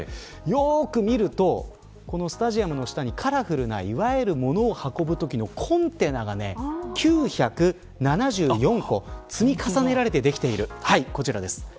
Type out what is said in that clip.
よく見るとスタジアムの下にカラフルな物を運ぶときのコンテナが９７４個積み重ねられてできている。